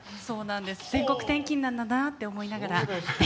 全国転勤なんだなって思いながら。